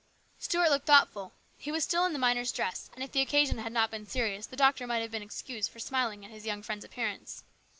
Stuart looked thoughtful. He was still in the miner's dress, and if the occasion had not been serious the doctor might have been excused for smiling at his young friend's appearance.